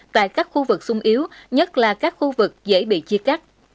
tại các khu vực sung yếu nhất là các khu vực dễ bị chia cắt